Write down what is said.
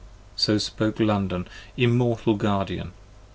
40 So spoke London, immortal Guardian!